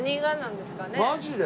マジで？